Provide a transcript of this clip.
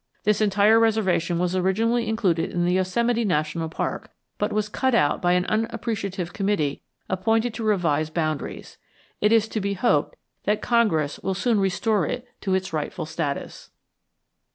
This entire reservation was originally included in the Yosemite National Park, but was cut out by an unappreciative committee appointed to revise boundaries. It is to be hoped that Congress will soon restore it to its rightful status.